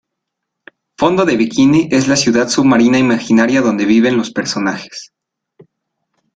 Fondo de Bikini es la ciudad submarina imaginaria donde viven los personajes.